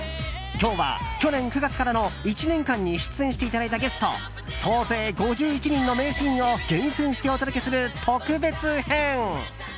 今日は去年９月からの１年間に出演していただいたゲスト総勢５１人の名シーンを厳選してお届けする特別編。